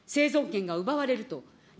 生存権が奪われると。